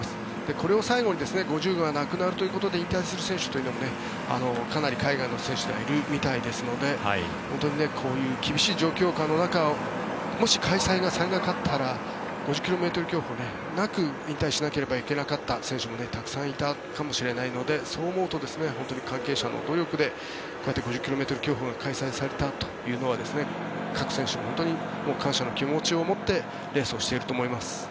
これを最後に５０ｋｍがなくなるということで引退する選手もかなり海外の選手ではいるみたいですのでこういう厳しい状況下の中もし開催がされなかったら５０ｋｍ競歩がなく引退しなければならなかった選手もたくさんいたかもしれないのでそう思うと本当に関係者の努力でこうやって５０ｋｍ競歩が開催されたというのは各選手、本当に感謝の気持ちを持ってレースをしていると思います。